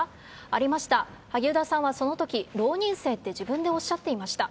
ありました、萩生田さんはそのとき、浪人生って自分でおっしゃっていました。